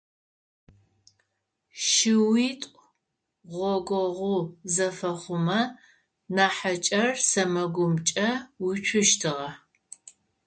Шыуитӏу гъогогъу зэфэхъумэ, нахьыкӏэр сэмэгумкӏэ уцущтыгъэ.